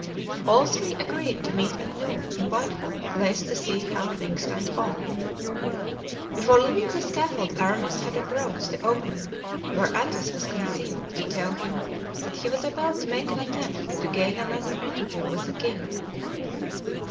All three agreed to meet at noon in Whitehall Place to see how things went on. Before leaving the scaffold Aramis had approached the opening where Athos was concealed to tell him that he was about to make an attempt to gain another interview with the king.